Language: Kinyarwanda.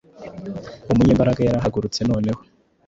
Umunyembaraga yarahagurutse noneho